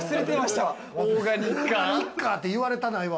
オーガニッカーって言われたないわ！